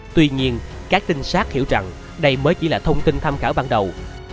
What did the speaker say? tuy nhiên các trinh sát hiểu rằng đây mới chỉ là thông tin tham khảo ban đầu